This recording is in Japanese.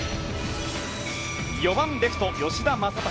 ４番レフト、吉田正尚。